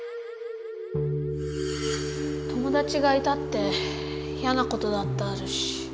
友だちがいたっていやなことだってあるし。